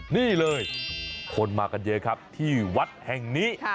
นี่เลยคนมากันเยอะครับที่วัดแห่งนี้